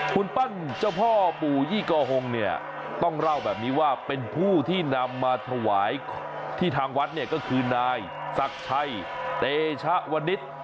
หุ่นปั้นเจ้าพ่อปู่ยี่กอหงต้องเล่าแบบนี้ว่าเป็นผู้ที่นำมาถวายที่ทางวัดก็คือนายสักชัยเตชวนิท